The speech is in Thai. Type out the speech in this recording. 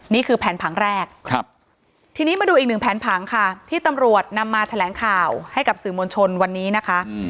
นี่คือแผนผังแรกทีนี้มาดูอีกหนึ่งแผนผังค่ะที่ตำรวจนำมาแถลงข่าวให้กับสื่อมวลชนวันนี้นะคะ